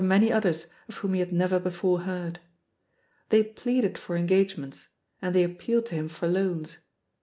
many others of whom he had never before heard. They pleaded for engagements, and they ap pealed to him for loans.